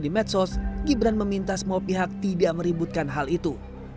di medsos gibran meminta semua pihak tidak meributkan hal itu